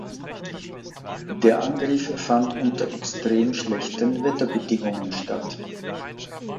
Der Angriff fand unter extrem schlechten Wetterbedingungen statt.